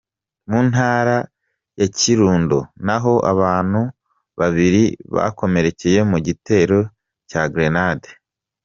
Mu ntara ya Kirundo naho abantu babiri bakomerekeye mu gitero cya grenade.